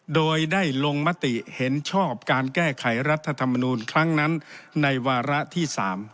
โดยได้ลงมติเห็นชอบการแก้ไขรัฐธรรมนูลครั้งนั้นในวาระที่๓